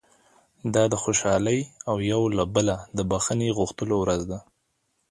دا د خوشالۍ او یو له بله د بښنې غوښتلو ورځ ده.